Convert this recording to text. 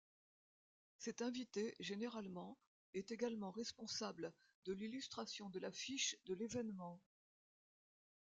Cet invité, généralement, est également responsable de l'illustration de l'affiche de l'événement.